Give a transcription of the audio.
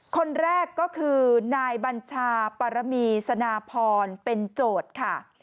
คนแรกก็คือนายบัญชาปรมีสนาพรเป็นโจทย์ค่ะ